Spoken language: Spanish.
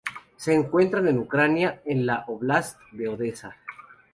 Se encuentra en Ucrania, en la óblast de Odesa.